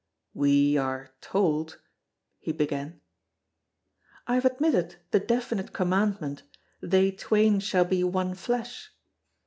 "We are told——" he began. "I have admitted the definite commandment: 'They twain shall be one flesh.'